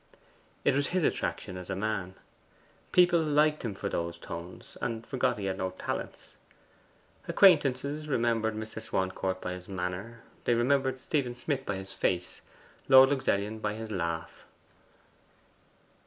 It was his attraction as a man. People liked him for those tones, and forgot that he had no talents. Acquaintances remembered Mr. Swancourt by his manner; they remembered Stephen Smith by his face, Lord Luxellian by his laugh.